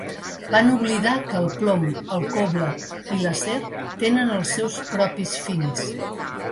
Van oblidar que el plom, el coble i l'acer tenen els seus propis fins.